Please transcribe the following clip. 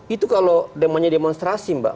itu kalau demanya demonstrasi mbak